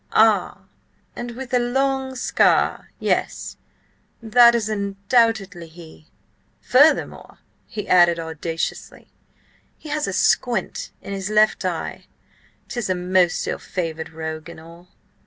"Ah! And with a long scar–yes, that is undoubtedly he. Furthermore," he added audaciously, "he has a squint in his left eye. 'Tis a most ill favoured rogue in all."